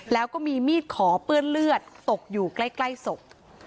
แล้วก็มีมีดขอเปื้อนเลือดตกอยู่ใกล้ศพ